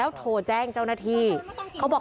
เพื่อนบ้านเจ้าหน้าที่อำรวจกู้ภัย